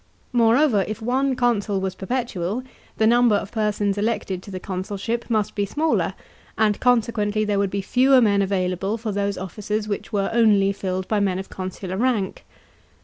Moreover, if one consul was perpetual, the number of persons elected to the consulship must be smaller ; and consequently there would be fewer men available for those offices which were only filled by men of consular rank.